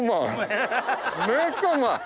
めっちゃうまい！